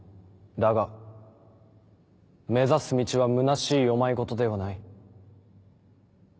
だが目指す路はむなしい世まい言ではない。